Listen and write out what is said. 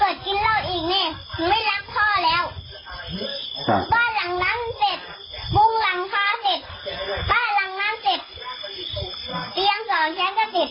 เขาก็เอาเงินไปซื้อเหล้ากินอ่ะ